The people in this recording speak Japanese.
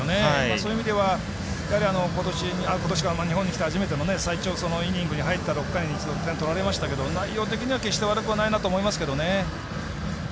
そういう意味では日本に来て初めての最長イニングに入った６回に一度点取られましたけど内容的には決して悪くないと思いましたけどね。